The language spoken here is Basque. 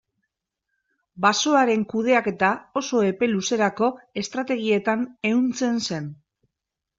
Basoaren kudeaketa oso epe luzerako estrategietan ehuntzen zen.